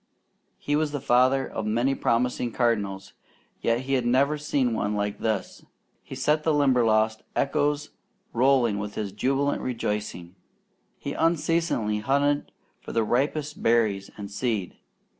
He was the father of many promising cardinals, yet he never had seen one like this. He set the Limberlost echoes rolling with his jubilant rejoicing. He unceasingly hunted for the ripest berries and seed.